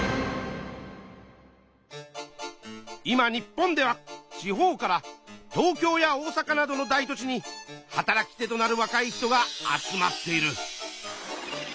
今日本では地方から東京や大阪などの大都市に働き手となるわかい人が集まっている。